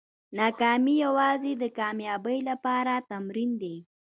ناکامي یوازې د کامیابۍ لپاره تمرین دی.